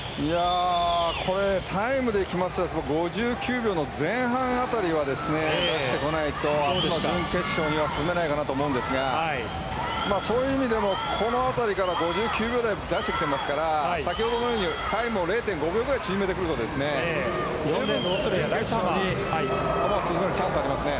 タイムできますと５９秒の前半辺りは出してこないと明日の準決勝には進めないと思うんですがそういう意味でもこの辺りから５９秒台を出してきてますから先ほどのようにタイムを０．５秒ぐらい縮めてくるとチャンスありますね。